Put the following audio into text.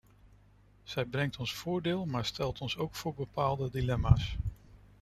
Zij brengt ons voordeel, maar stelt ons ook voor bepaalde dilemma's.